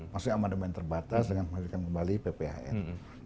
maksudnya amandemen terbatas dengan menghadirkan kembali pphn